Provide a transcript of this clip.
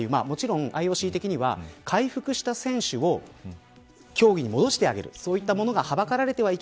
もちろんＩＯＣ的には回復した選手を競技に戻してあげる。